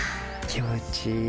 気持ちいい。